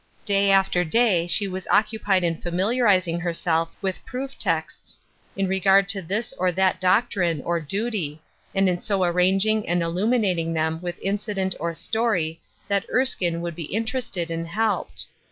Day after day she was occupied in familiarizing herself with proof texts in regard to this or that doctrine, or duty, and in so arranging and illumin ing them with incident or story that Erskine would be interested and helped.